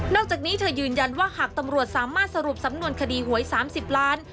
อกจากนี้เธอยืนยันว่าหากตำรวจสามารถสรุปสำนวนคดีหวย๓๐ล้าน